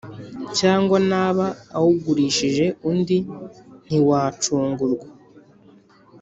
Cyangwa naba awugurishije undi ntiwacungurwa